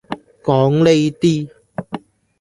講呢啲